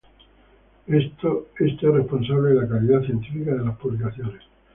Este es responsable de la calidad científica de las publicaciones.